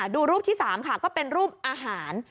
ดูรูปที่๓ค่ะก็เป็นรูปอาหาร